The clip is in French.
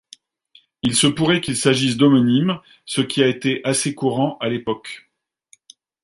Il se pourrait qu'il s'agisse d'homonymes, ce qui a été assez courant à l'époque.